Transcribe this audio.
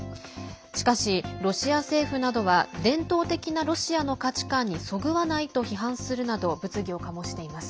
しかし、ロシア政府などは伝統的なロシアの価値観にそぐわないと批判するなど物議を醸しています。